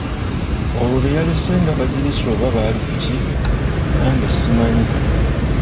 Olwo be yalese nga bazirirse oba baali ku ki, nange simanyi.